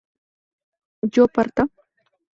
¿yo parta?